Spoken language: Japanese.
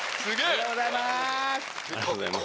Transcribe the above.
ありがとうございます。